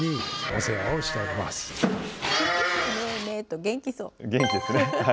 元気ですね。